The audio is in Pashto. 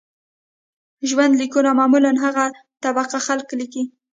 ژوند لیکونه معمولاً هغه طبقه خلک لیکي.